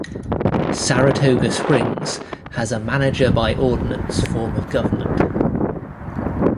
Saratoga Springs has a manager-by-ordinance form of government.